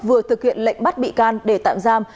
vừa thực hiện lệnh bắt bị can để tạm giam